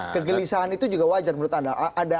kegelisahan itu juga wajar menurut anda